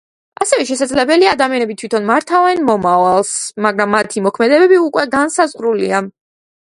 ასევე შესაძლებელია ადამიანები თვითონ მართავენ მომავალს, მაგრამ მათი მოქმედებები უკვე განსაზღვრულია.